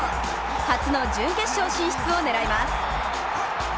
初の準決勝進出を狙います。